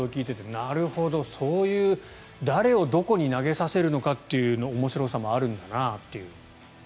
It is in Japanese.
なるほど、そういう誰をどこで投げさせるかという面白さもあるんだなという。